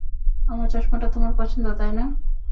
আমার চশমাটা তোমার পছন্দ, তাই না?